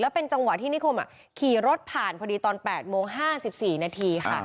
เป็นจังหวะที่นิคมขี่รถผ่านพอดีตอน๘โมง๕๔นาทีค่ะ